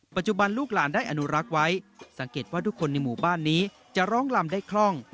ปัจจุบันลูกหลานได้อนุรักษ์ไว้สังเกตว่าทุกคนในหมู่บ้านนี้จะร้องลำได้คล่อง